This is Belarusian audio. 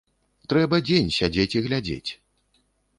Трэба дзень сядзець і глядзець.